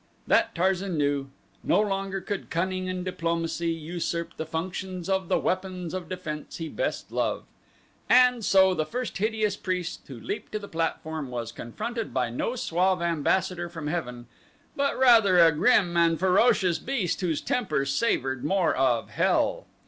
That Tarzan knew. No longer could cunning and diplomacy usurp the functions of the weapons of defense he best loved. And so the first hideous priest who leaped to the platform was confronted by no suave ambassador from heaven, but rather a grim and ferocious beast whose temper savored more of hell.